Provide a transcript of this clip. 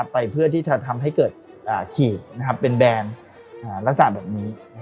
เพื่อที่จะทำให้เกิดขีดเป็นแบรนด์ลักษณะแบบนี้